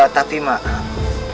tapi pak man